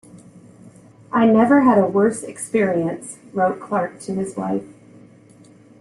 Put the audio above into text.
"I never had a worse experience" wrote Clark to his wife.